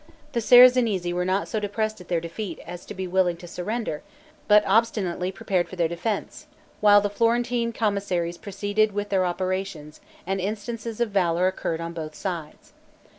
The Serezanesi were not so depressed at their defeat as to be willing to surrender, but obstinately prepared for their defense, while the Florentine commissaries proceeded with their operations, and instances of valor occurred on both sides.